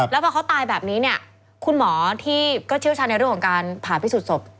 แล้วพอเขาตายแบบนี้เนี่ยคุณหมอที่ก็เชี่ยวชาญในเรื่องของการผ่าพิสูจนศพ